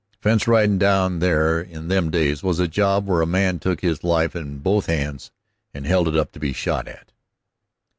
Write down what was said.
Fence ridin' down there in them days was a job where a man took his life in both hands and held it up to be shot at."